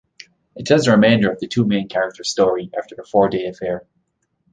It tells the remainder of the two main characters' story after their four-day affair.